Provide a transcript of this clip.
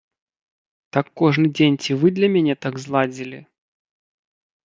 Так кожны дзень ці вы для мяне так зладзілі?